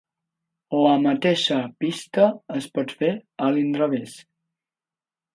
La mateixa pista es pot fer a l'inrevés.